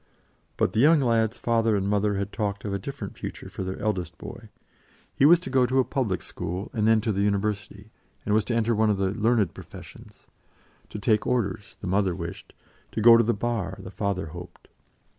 But the young lad's father and mother had talked of a different future for their eldest boy; he was to go to a public school, and then to the University, and was to enter one of the "learned professions" to take orders, the mother wished; to go to the Bar, the father hoped.